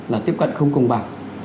là tiếp cận không cùng bằng